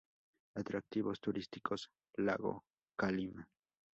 Atractivos Turísticos: Lago Calima.